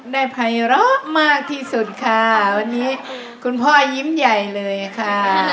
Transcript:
ภัยร้อมากที่สุดค่ะวันนี้คุณพ่อยิ้มใหญ่เลยค่ะ